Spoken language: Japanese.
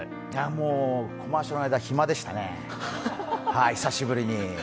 もうＣＭの間暇でしたね、久しぶりに。